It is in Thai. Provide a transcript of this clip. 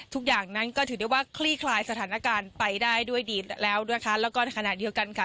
ทุกอย่างนั้นก็ถือได้ว่าคลี่คลายสถานการณ์ไปได้ด้วยดีแล้วนะคะแล้วก็ในขณะเดียวกันค่ะ